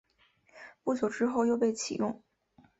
不久之后又被起用。